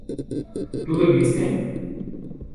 ¿tú bebiste?